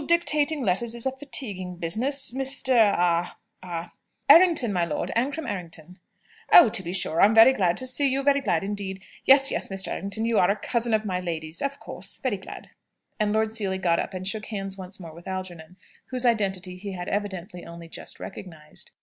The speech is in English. Dictating letters is a fatiguing business, Mr. a a " "Errington, my lord; Ancram Errington." "Oh, to be sure! I'm very glad to see you; very glad indeed. Yes, yes; Mr. Errington. You are a cousin of my lady's? Of course. Very glad." And Lord Seely got up and shook hands once more with Algernon, whose identity he had evidently only just recognised.